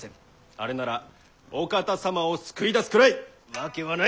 あれならお方様を救い出すくらいわけはない！